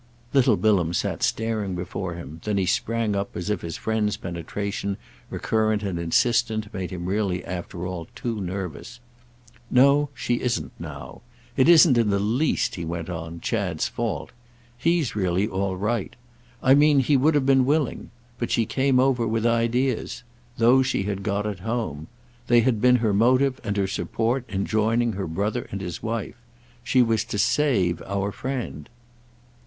Little Bilham sat staring before him; then he sprang up as if his friend's penetration, recurrent and insistent, made him really after all too nervous. "No—she isn't now. It isn't in the least," he went on, "Chad's fault. He's really all right. I mean he would have been willing. But she came over with ideas. Those she had got at home. They had been her motive and support in joining her brother and his wife. She was to save our friend."